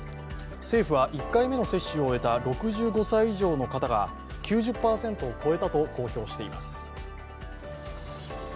政府は１回目の接種を終えた６５歳以上の方が９０％を超えたと公表しています。